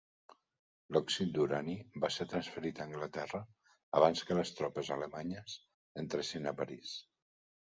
L'òxid d'urani va ser transferit a Anglaterra abans que les tropes alemanyes entressin a París.